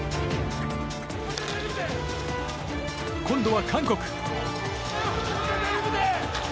今度は韓国。